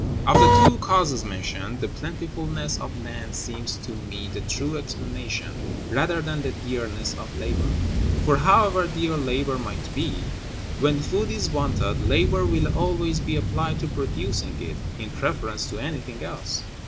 Of the two causes mentioned, the plentifulness of land seems to me the true explanation, rather than the dearness of labor; for, however dear labor may be, when food is wanted, labor will always be applied to producing it in preference to anything else.